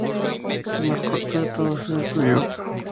El más corto de todos es el "Estudio Op.